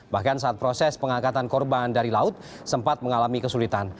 bahkan saat proses pengangkatan korban dari laut sempat mengalami kesulitan